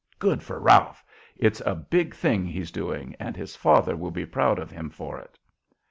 Good for Ralph! It's a big thing he's doing, and his father will be proud of him for it."